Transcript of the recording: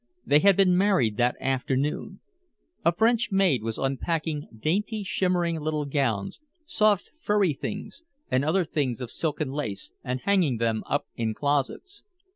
They had been married that afternoon. A French maid was unpacking dainty shimmering little gowns, soft furry things and other things of silk and lace, and hanging them up in closets.